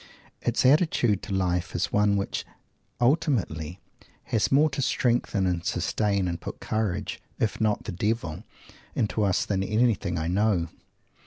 Its attitude to life is one which ultimately has more to strengthen and sustain and put courage if not the Devil into us than anything I know.